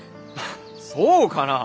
そうかなぁ。